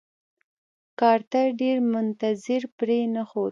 کارتر ډېر منتظر پرې نښود.